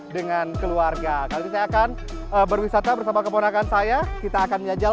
dengan keluarga nanti saya akan berwisata bersama keponakan saya kita akan menjajal